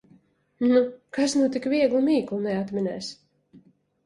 Nu, kas nu tik vieglu mīklu neatminēs!